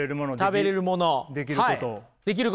食べれるものはい。